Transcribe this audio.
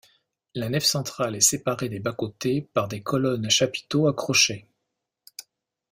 La nef centrale est séparée des bas-côtés par des colonnes à chapiteau à crochets.